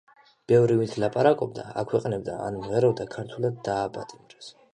ბევრი, ვინც ლაპარაკობდა, აქვეყნებდა, ან მღეროდა ქურთულად, დააპატიმრეს.